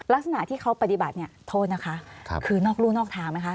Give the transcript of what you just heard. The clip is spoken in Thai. ลักษณะที่เขาปฏิบัติโทษนะคะคือนอกรู้นอกถามนะคะ